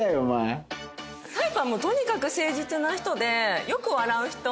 タイプはもうとにかく誠実な人でよく笑う人。